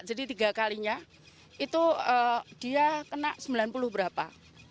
jadi tiga kalinya itu dia kena sembilan puluh berapa